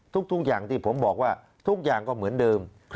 ทุกอย่างที่ผมบอกว่าทุกอย่างก็เหมือนเดิม